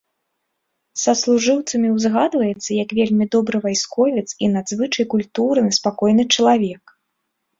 Саслужыўцамі ўзгадваецца як вельмі добры вайсковец і надзвычай культурны, спакойны чалавек.